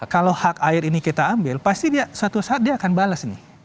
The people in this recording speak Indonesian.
kalau hak air ini kita ambil pasti dia suatu saat dia akan bales nih